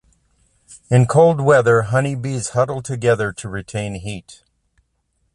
In cold weather, honey bees huddle together to retain heat.